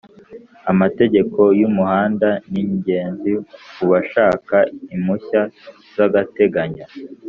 Amategeko yumuhanda ningenzi kubashaka impushya zagatateganyo